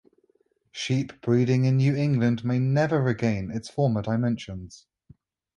Sheep breeding in New England may never regain its former dimensions.